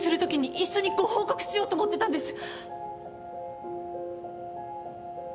一緒にご報告しようと思ってたんです。